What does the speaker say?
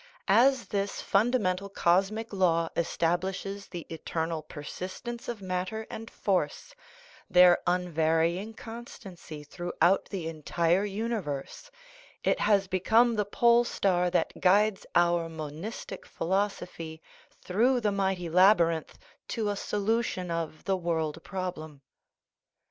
As this fundamental cosmic law establishes the eternal persistence of matter and force, their unvarying constancy throughout the entire universe, it has become the pole star that guides our Monistic Philosophy through the mighty labyrinth to a solution of the world problem.